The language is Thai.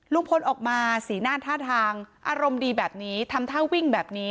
ลุงพลออกมาสีหน้าท่าทางอารมณ์ดีแบบนี้ทำท่าวิ่งแบบนี้